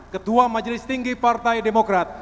ketua majelis tinggi partai demokrat